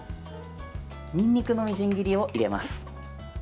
にんにくのみじん切りを入れます。